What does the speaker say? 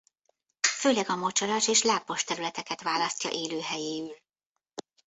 Főleg a mocsaras és lápos területeket választja élőhelyéül.